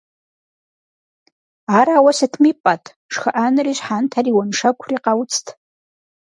Ар ауэ сытми пӀэт, шхыӀэнри, щхьэнтэри, уэншэкури къауцт.